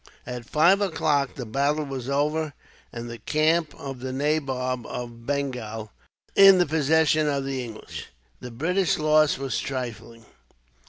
At five o'clock the battle was over, and the camp of the Nabob of Bengal in the possession of the English. The British loss was trifling.